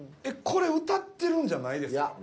えっこれ歌ってるんじゃないですか？